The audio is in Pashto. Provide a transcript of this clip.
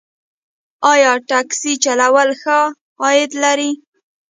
آیا ټکسي چلول ښه عاید لري؟